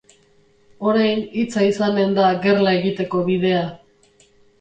Orain hitza izanen da gerla egiteko bidea.